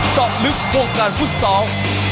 เจาะลึกวงการฟุตซอล